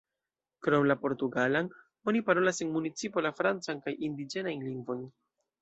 Krom la portugalan, oni parolas en municipo la francan kaj indiĝenajn lingvojn.